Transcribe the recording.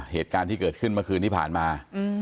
เหตุการณ์ที่เกิดขึ้นเมื่อคืนที่ผ่านมา